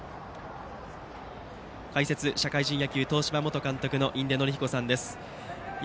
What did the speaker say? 解説は社会人野球東芝元監督の印出順彦さんです。